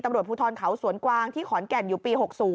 ตำรวจภูทรเขาสวนกวางที่ขอนแก่นอยู่ปี๖๐